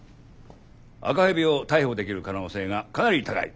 赤蛇を逮捕できる可能性がかなり高い。